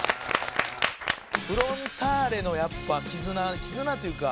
フロンターレのやっぱ絆絆というか。